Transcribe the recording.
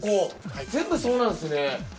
全部そうなんすね。